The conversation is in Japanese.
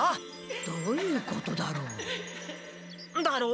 どういうことだろう？だろう？